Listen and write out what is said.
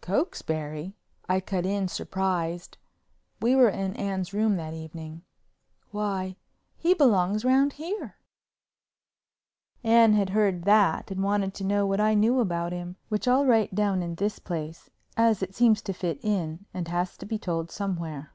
"Cokesbury!" I cut in surprised—we were in Anne's room that evening—"why, he belongs round here." Anne had heard that and wanted to know what I knew about him, which I'll write down in this place as it seems to fit in and has to be told somewhere.